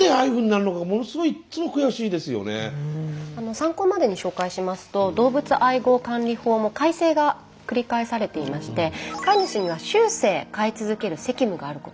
参考までに紹介しますと動物愛護管理法も改正が繰り返されていまして飼い主には終生飼い続ける責務があることが明文化されました。